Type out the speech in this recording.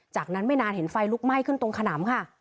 จากนั้นไม่นานเห็นไฟลุกไหม้ขึ้นตรงขนำค่ะ